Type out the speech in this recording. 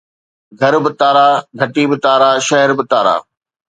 گهر به تارا، گهٽي به تارا، شهر به تارا